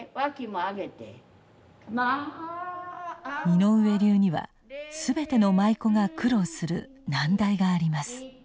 井上流には全ての舞妓が苦労する難題があります。